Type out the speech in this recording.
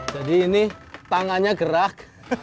jadi ini tangannya gerak